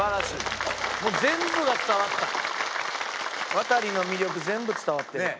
ワタリの魅力全部伝わってるよ。